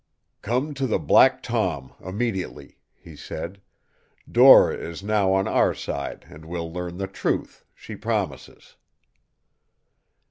"Come to the Black Tom immediately," he said. "Dora is now on our side and we'll learn the truth, she promises."